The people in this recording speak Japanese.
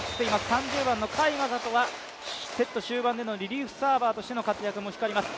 ３０番の甲斐優斗はセット終盤でのリリーフサーバーとしての活躍も光ります。